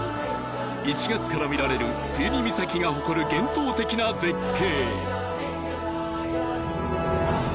１月から見られるプユニ岬が誇る幻想的な絶景